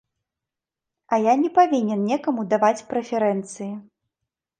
А я не павінен некаму даваць прэферэнцыі.